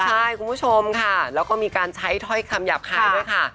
ใช่คุณผู้ชมค่ะแล้วก็มีการใช้ถ้อยคำหยาบคายด้วยค่ะ